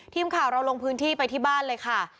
ทีมข่าวเราลงพื้นที่ไปที่บ้านเลยค่ะ